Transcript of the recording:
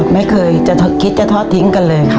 ไม่เคยจะคิดทอดทิ้ง